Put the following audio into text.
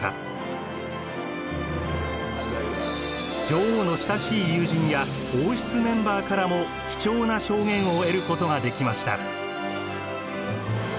女王の親しい友人や王室メンバーからも貴重な証言を得ることができました。